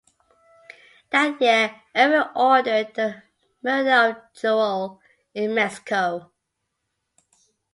That year, Ervil ordered the murder of Joel in Mexico.